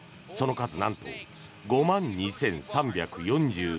その数、なんと５万２３４１体。